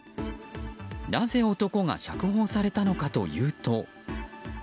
なぜ男が釈放されたのかというと。